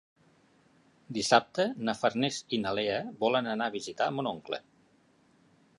Dissabte na Farners i na Lea volen anar a visitar mon oncle.